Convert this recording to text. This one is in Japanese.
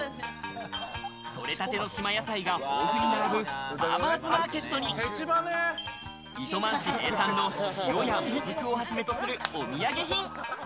採れたての島野菜が豊富に並ぶファーマーズマーケットに糸満市名産の塩やモズクをはじめとするお土産品。